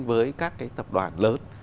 với các cái tập đoàn lớn